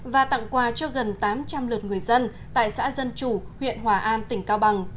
và tặng quà cho gần tám trăm linh lượt người dân tại xã dân chủ huyện hòa an tỉnh cao bằng